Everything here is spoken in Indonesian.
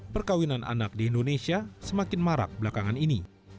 perkawinan anak di indonesia semakin marak belakangan ini